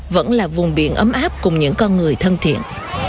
vẫn là vùng biển ấm áp cùng những con người thân thiện